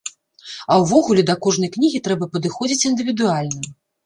А ўвогуле, да кожнай кнігі трэба падыходзіць індывідуальна.